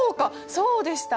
そうでした。